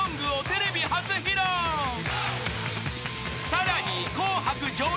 ［さらに］